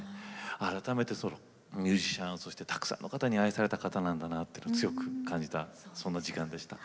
改めてミュージシャンたくさんの方に愛された方なんだなと強く感じたそんな時間でした。